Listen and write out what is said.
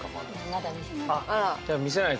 まだ見せてない。